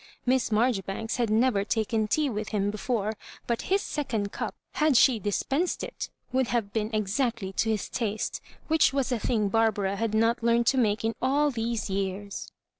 Miss Marjoribanks had never taken tea with him be fore ; but his second cup, had she dispensed it, would have been exactly to his taste— which was a thing Barbara had not learned to make it in all these years.